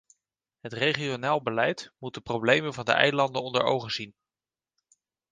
Het regionaal beleid moet de problemen van de eilanden onder ogen zien.